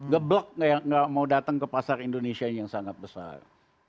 geblok nggak mau datang ke pasar indonesia yang sangat besar